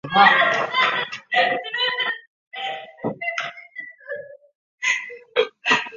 马尔默市是瑞典南部斯科讷省的一个自治市。